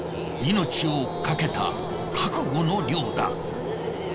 命をかけた覚悟の漁だ。